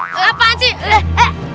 wah dua apaan sih